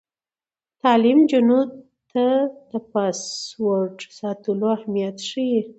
تعلیم نجونو ته د پاسورډ ساتلو اهمیت ښيي.